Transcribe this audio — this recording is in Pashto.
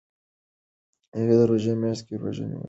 هغه د روژې میاشت کې روژه نیولې ده.